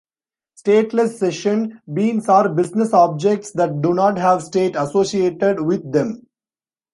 Stateless Session Beans are business objects that do not have state associated with them.